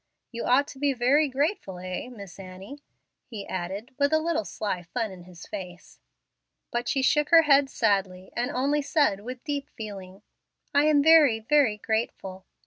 You ought to be very grateful, eh, Miss Annie?" he added, with a little sly fun in his face. But she shook her head sadly, and only said with deep feeling, "I am very, very grateful."